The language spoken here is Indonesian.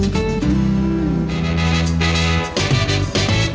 jalan jalan perahu wisata di surabaya